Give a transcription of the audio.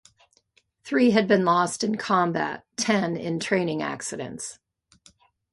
Three had been lost in combat, ten in training accidents.